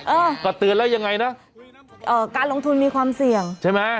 เออก็เตือนแล้วยังไงนะเอ่อการลงทุนมีความเสี่ยงใช่ไหม